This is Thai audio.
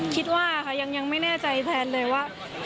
คิดว่าค่ะยังไม่แน่ใจแทนเลยว่า